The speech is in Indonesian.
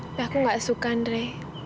tapi aku gak suka andre